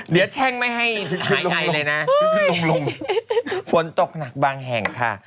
เดี๋ยวแช่งไม่ให้หายใยเลยนะลุงฝนตกหนักบางแห่งค่ะ